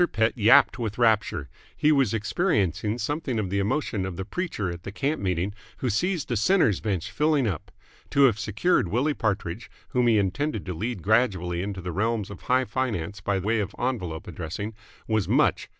Pett yapped with rapture. He was experiencing something of the emotion of the preacher at the camp meeting who sees the Sinners' Bench filling up. To have secured Willie Partridge, whom he intended to lead gradually into the realms of high finance by way of envelope addressing, was much.